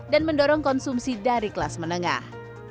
dan mendorong konsumsi dari kelas menengah